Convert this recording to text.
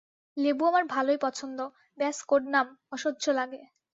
লেবু আমার ভালোই পছন্দ, ব্যস কোড নাম অসহ্য লাগে।